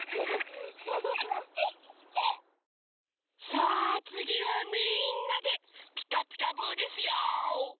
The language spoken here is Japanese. さあつぎはみんなで「ピカピカブ！」ですよ。